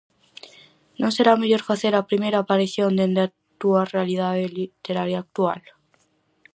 Non será mellor facer a primeira aparición dende a túa realidade literaria actual?